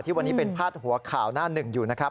วันนี้เป็นพาดหัวข่าวหน้าหนึ่งอยู่นะครับ